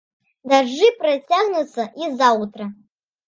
Дажджы працягнуцца і заўтра.